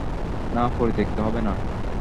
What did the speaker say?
না, পরিত্যাক্ত হবে না!